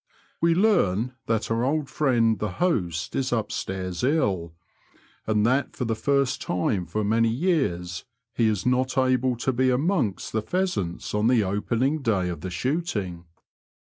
We learn that our •old friend the host is upstairs ill, and that for the first time for many years he is not able to be amongst the pheasants (m the opening day of the shooting.